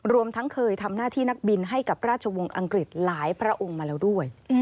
รวมทั้งเคยทำหน้าที่นักบินให้กับราชวงศ์อังกฤษหลายพระองค์มาแล้วด้วย